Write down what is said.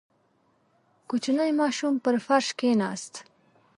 • کوچنی ماشوم پر فرش کښېناست.